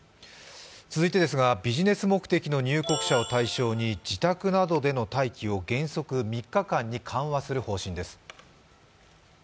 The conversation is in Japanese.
続いてビジネス目的の入国者を対象に自宅などでの待機を原則３日間に緩和する方針です。